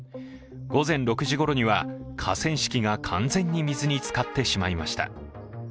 午前６時ごろには河川敷が完全に水につかってしまいました。